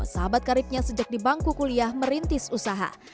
sahabat karipnya sejak di bangku kuliah merintis usaha